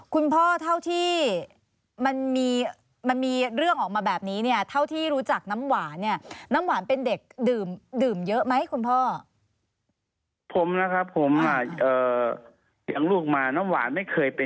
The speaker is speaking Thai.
คุณพ่อเท่าที่มันมีเรื่องออกมาแบบนี้เนี่ยเท่าที่รู้จักน้ำหวานเนี่ย